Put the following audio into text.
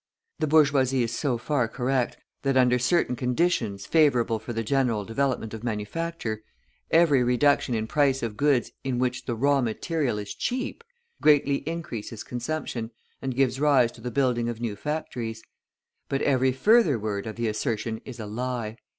The bourgeoisie is so far correct that under certain conditions favourable for the general development of manufacture, every reduction in price of goods in which the raw material is cheap, greatly increases consumption, and gives rise to the building of new factories; but every further word of the assertion is a lie.